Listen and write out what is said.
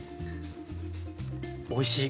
おいしい。